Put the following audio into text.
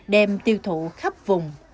đem tiêu thụ khắp vùng